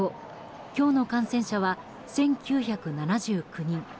今日の感染者は１９７９人。